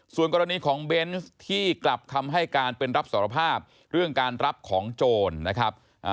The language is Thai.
ส่วนกรณีของเบนส์ที่กลับคำให้การเป็นรับสารภาพเรื่องการรับของโจรนะครับ